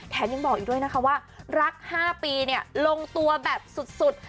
ยังบอกอีกด้วยนะคะว่ารัก๕ปีลงตัวแบบสุด